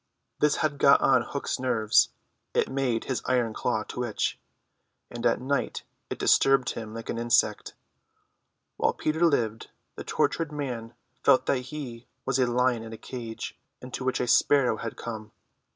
This had got on Hook's nerves; it made his iron claw twitch, and at night it disturbed him like an insect. While Peter lived, the tortured man felt that he was a lion in a cage into which a sparrow had come.